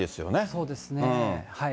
そうですね。